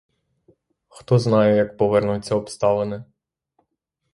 Хто знає, як повернуться обставини.